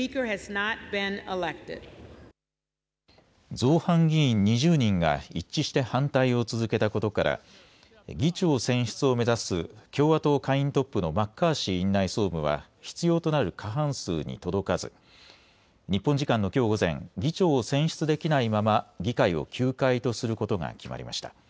造反議員２０人が一致して反対を続けたことから議長選出を目指す共和党下院トップのマッカーシー院内総務は必要となる過半数に届かず日本時間のきょう午前、議長を選出できないまま議会を休会とすることが決まりました。